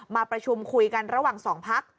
มาประชุมคุยกันระหว่าง๒พัก